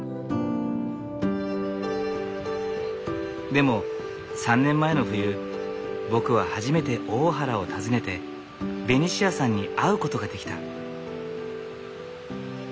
でも３年前の冬僕は初めて大原を訪ねてベニシアさんに会うことができた。